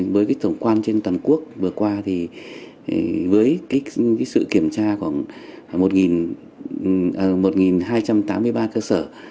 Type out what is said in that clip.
với cái tổng quan trên toàn quốc vừa qua thì với cái sự kiểm tra khoảng một hai trăm tám mươi ba triệu